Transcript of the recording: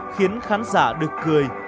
khiến khán giả được cười